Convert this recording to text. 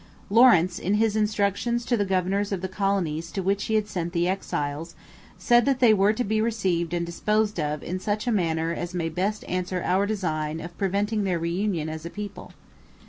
Lawrence, in his instructions to the governors of the colonies to which he had sent the exiles, said that they were 'to be received and disposed of in such a manner as may best answer our design of preventing their reunion' as a people.